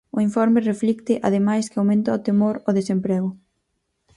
O informe reflicte, ademais, que aumenta o temor ao desemprego.